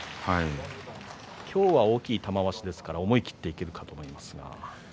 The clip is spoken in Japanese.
今日は大きい玉鷲ですから思い切っていけるかと思いますが。